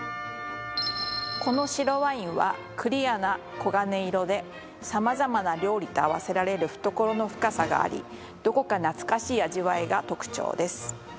この白ワインはクリアな黄金色で様々な料理と合わせられる懐の深さがありどこか懐かしい味わいが特徴です